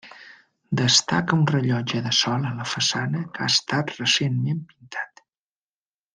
Destaca un rellotge de sol a la façana que ha estat recentment pintat.